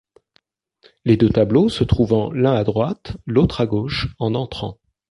Les deux tableaux se trouvant l'un à droite, l'autre à gauche en entrant.